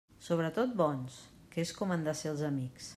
Sobretot bons, que és com han de ser els amics.